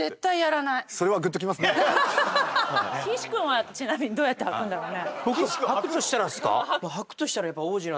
岸くんはちなみにどうやって履くんだろうね？